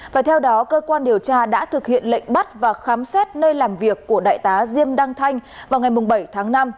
và theo đó cơ quan điều tra đã thực hiện lệnh bắt và khám xét nơi làm việc của đại tá diêm đăng thanh vào ngày bảy tháng năm